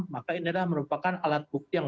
maka inilah merupakan alat bukti yang